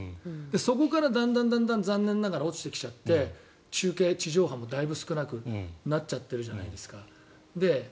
そこから、だんだん残念ながら落ちてきちゃって中継、地上波もだいぶ少なくなっちゃってるじゃないですか。